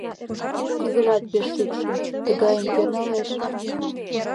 Тидыжат пеш шӱкшӧ; тыгайым кӧ налеш?